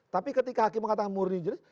tapi ketika hakim mengatakan murni jelas